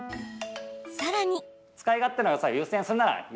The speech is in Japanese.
さらに。